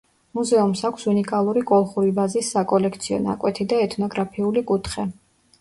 მუზეუმს აქვს უნიკალური კოლხური ვაზის საკოლექციო ნაკვეთი და ეთნოგრაფიული კუთხე.